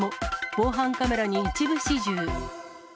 防犯カメラに一部始終。